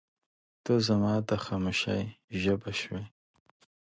• ته زما د خاموشۍ ژبه شوې.